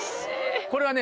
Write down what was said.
これはね